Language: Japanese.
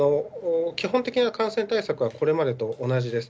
基本的な感染対策は、これまでと同じです。